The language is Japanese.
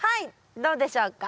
どうでしょうか？